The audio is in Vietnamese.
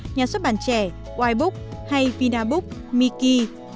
nhà xuất bản trẻ ybook hay vinabook miki